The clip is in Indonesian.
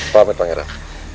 pak med pak ngeram